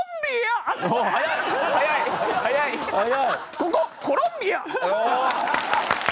ここコロンビア！